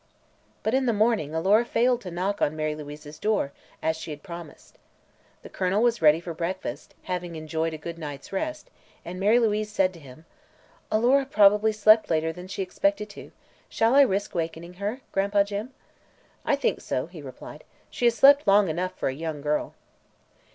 But in the morning Alora failed to knock on Mary Louise's door, as she had promised. The Colonel was ready for breakfast, having enjoyed a good night's rest, and Mary Louise said to him: "Alora probably slept later than she expected to. Shall I risk wakening her, Gran'pa Jim?" "I think so," he replied. "She has slept long enough, for a young girl."